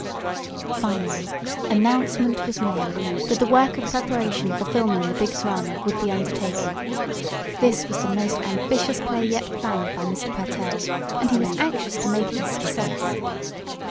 Finally announcement was made that the work of preparation for filming the big drama would be undertaken. This was the most ambitious play yet planned by Mr. Pertell, and he was anxious to make it a success.